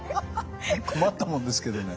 困ったもんですけどね。